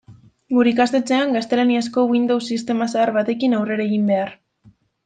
Gure ikastetxean gaztelaniazko Windows sistema zahar batekin aurrera egin behar.